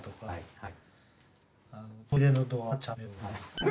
はい。